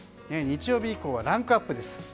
日曜日以降はランクアップです。